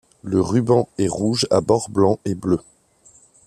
Le ruban est rouge à bords blanc et bleu.